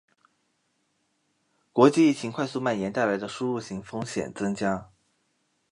国际疫情快速蔓延带来的输入性风险增加